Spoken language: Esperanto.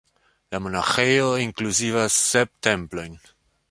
La monaĥejo inkluzivas sep templojn.